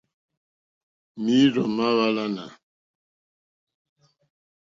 Mǐīrzɔ̀ má hwàlánà.